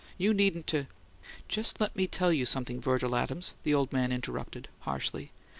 You needn't to " "Just let me tell you something, Virgil Adams," the old man interrupted, harshly.